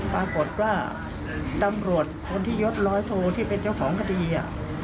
ปรากฏว่าตำรวจคนที่ยดร้อยโทที่เป็นเจ้าของคดี